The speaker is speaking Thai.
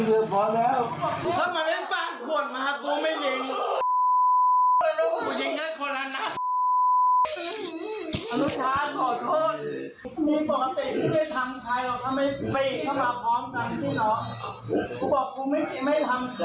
โดยสงสัย